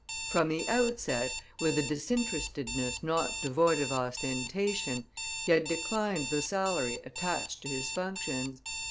From the outset, with a disinterestedness not devoid of ostentation, he had declined the salary attached to his functions.